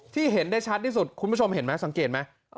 เห็นได้ชัดที่สุดคุณผู้ชมเห็นไหมสังเกตไหม